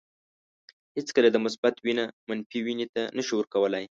هیڅکله د مثبت وینه منفي وینې ته نشو ورکولای.